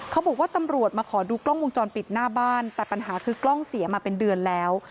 เขาบอกว่าตำรวจมาขอดูกล้องวงจรปิดหน้าบ้านแต่ปัญหาคือกล้องเสียมาเป็นเดือนแล้ว